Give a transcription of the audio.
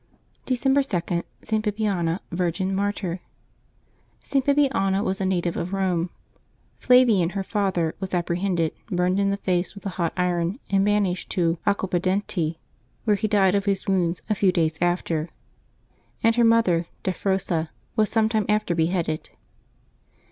December 2.— ST. BIBIANA, Virgin, Martyr. [t. Bibiana was a native of Eome. Flavian, her father, was apprehended, burned in the face with a hot iron, and banished to Acquapendente, where he died of his wounds a few days after; and her mother, Dafrosa, was some time after beheaded.